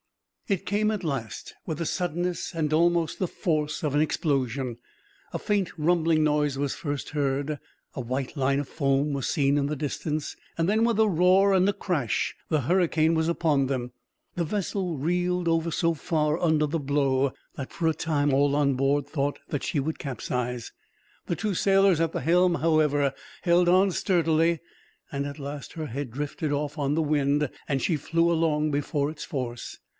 It came at last, with the suddenness and almost the force of an explosion. A faint rumbling noise was first heard, a white line of foam was seen in the distance; and then, with a roar and a crash, the hurricane was upon them. The vessel reeled over so far under the blow that, for a time, all on board thought that she would capsize. The two sailors at the helm, however, held on sturdily; and at last her head drifted off on the wind, and she flew along before its force.